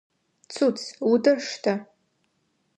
Цуц, утыр штэ!